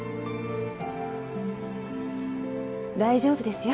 大丈夫ですよ。